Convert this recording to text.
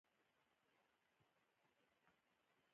توبه مي واېستله !